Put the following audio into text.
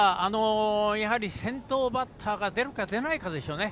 先頭バッターが出るか出ないかでしょうね。